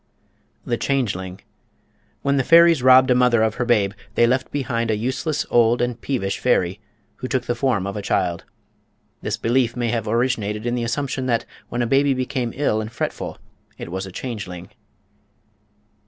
The Changeling. When the fairies robbed a mother of her babe, they left behind a useless, old, and peevish fairy, who took the form of a child. This belief may have originated in the assumption that when a baby became ill and fretful, it was a changeling.